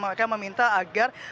mereka meminta agar